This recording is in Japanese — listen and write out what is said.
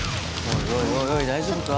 おいおい大丈夫か？